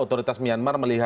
terima kasih